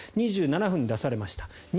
２７分に出されました。